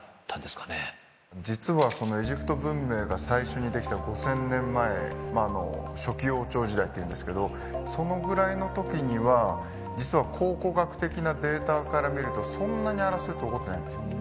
実はエジプト文明が最初に出来た５，０００年前初期王朝時代っていうんですけどそのぐらいの時には実は考古学的なデータから見るとそんなに争いって起こってないんですよ。